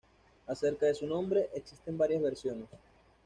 Acerca de su nombre existen varias versiones.